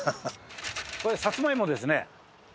これサツマイモですね。